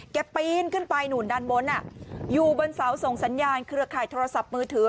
ปีนขึ้นไปนู่นด้านบนอยู่บนเสาส่งสัญญาณเครือข่ายโทรศัพท์มือถือ